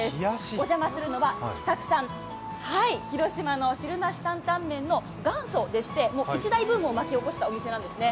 お邪魔するのはきさくさん、広島の汁なし担担麺の元祖でしてもう一大ブームを巻き起こしたお店なんですね。